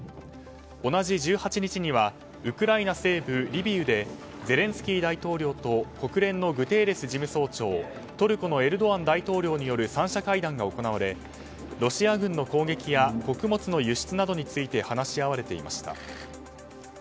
同じ１８日にはウクライナ西部リビウでゼレンスキー大統領と国連のグテーレス事務総長トルコのエルドアン大統領による３者会談が行われロシア軍の攻撃や穀物の輸出などについて話し合われていました。